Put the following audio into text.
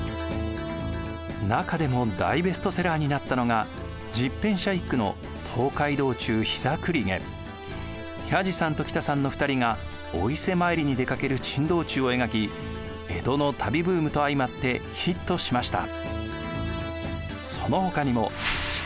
中でも大ベストセラーになったのが十返舎一九の弥次さんと喜多さんの２人がお伊勢参りに出かける珍道中を描き江戸の旅ブームと相まってヒットしました。